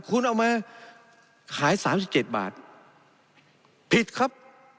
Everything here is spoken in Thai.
คุณเอามาขายสามสิบเจ็ดบาทผิดครับ